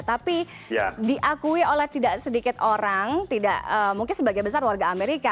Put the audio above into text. tapi diakui oleh tidak sedikit orang mungkin sebagian besar warga amerika